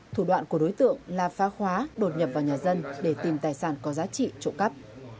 thủ đoạn của đối tượng là phá khóa đột nhập vào nhà dân để tìm tài sản có giá trị trộm cắp